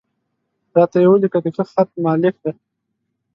را ته یې ولیکه، د ښه خط مالک دی.